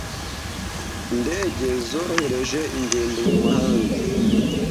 Indege zorohereje ingendo mu mahanga.